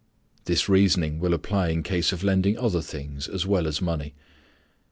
This reasoning will apply in case of lending other things as well as money.